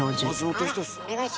あらお願いします。